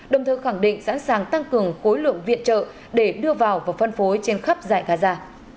đồng thời khẳng định sẵn sàng tăng cường khối lượng viện trợ để đưa vào và phân phối trên khắp giải gaza